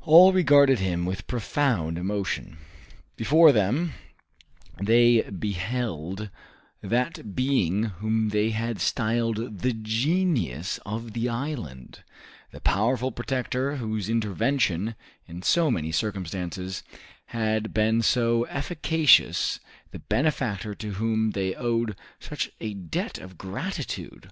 All regarded him with profound emotion. Before them they beheld that being whom they had styled the "genius of the island," the powerful protector whose intervention, in so many circumstances, had been so efficacious, the benefactor to whom they owed such a debt of gratitude!